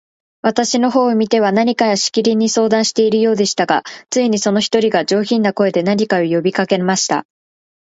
私の方を見ては、何かしきりに相談しているようでしたが、ついに、その一人が、上品な言葉で、何か呼びかけました。